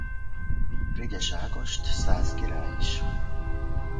Frigyes Ágost szász király is.